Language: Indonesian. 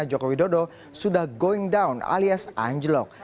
jokowi dodo sudah going down alias anjlok